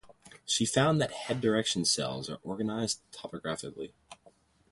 She found that head direction cells are organized topographically.